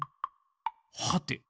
はて？